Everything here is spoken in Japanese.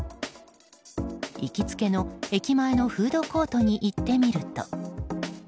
行きつけの駅前のフードコートに行ってみると。